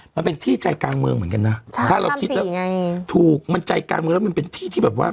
มันเป็นที่ใจกลางเมืองเหมือนกันนะถ้าเราคิดแล้วถูกมันใจกลางเมืองแล้วมันเป็นที่ที่แบบว่า